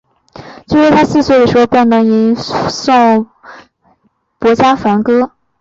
据说他四岁时便能吟诵薄伽梵歌。